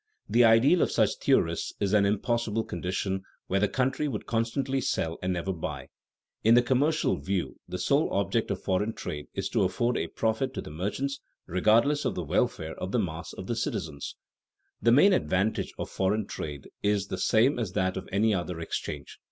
The ideal of such theorists is an impossible condition where the country would constantly sell and never buy. In the commercial view the sole object of foreign trade is to afford a profit to the merchants, regardless of the welfare of the mass of the citizens. [Sidenote: The real advantages of foreign trade] The main advantage of foreign trade is the same as that of any other exchange.